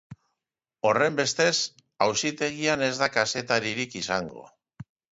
Horrenbestez, auzitegian ez da kazetaririk izango.